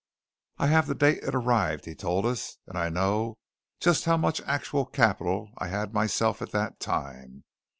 "I have the date it arrived," he told us, "and I know just how much actual capital I had myself at that time.